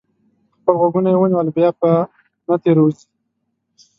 خپل غوږونه یې ونیول؛ بیا به نه تېروځي.